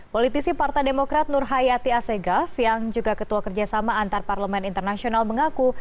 politisi partai demokrat nur hayati asegaf yang juga ketua kerjasama antar parlemen internasional mengaku